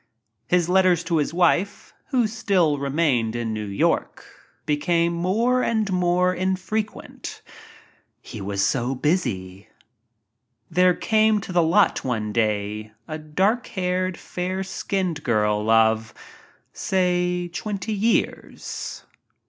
His letters to his wife, who still remained in New York, became more and more in frequent. He was so busy. There came to the "lot" one day a dark haired, fair skinned girl of, say, twenty years.